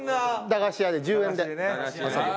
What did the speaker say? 駄菓子屋で１０円で遊ぶ。